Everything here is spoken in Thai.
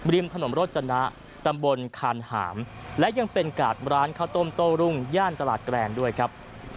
ริมถนนโรจนะตำบลคานหามและยังเป็นกาดร้านข้าวต้มโต้รุ่งย่านตลาดแกรนด้วยครับ